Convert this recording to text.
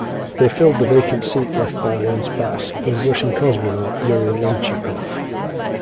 They filled the vacant seat left by Lance Bass with Russian cosmonaut Yuri Lonchakov.